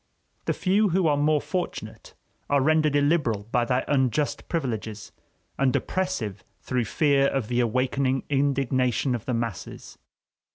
The few who are more fortunate are rendered illiberal by their unjust privileges, and oppressive through fear of the awakening indignation of the masses.